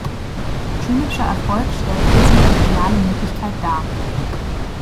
Schulischer Erfolg stellt für sie eine reale Möglichkeit dar.